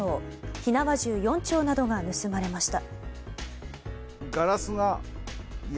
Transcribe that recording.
火縄銃４丁などが盗まれました。